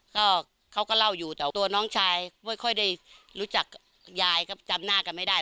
ก็เขาก็เล่าอยู่แต่ตัวน้องชายไม่ค่อยได้รู้จักยายก็จำหน้ากันไม่ได้